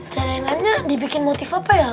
cadangannya dibikin motif apa ya